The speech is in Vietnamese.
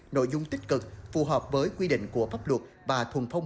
nội dung tích cực phù hợp với quy định của pháp luật và thuần phong